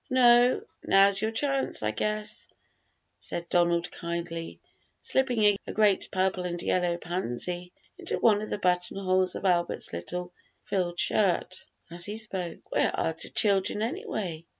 "No; now's your chance, I guess," said Donald kindly, slipping a great purple and yellow pansy into one of the buttonholes of Albert's little frilled shirt as he spoke. "Where are de children, anyway?"